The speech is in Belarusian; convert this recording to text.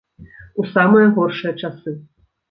У самыя горшыя часы.